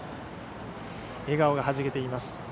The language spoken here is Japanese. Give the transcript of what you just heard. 笑顔がはじけています。